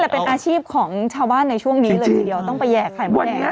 เป็นอาชีพของชาวบ้านในช่วงนี้เลยต้องแยกไข่มดแดง